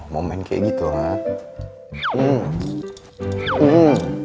momen kayak gitu ah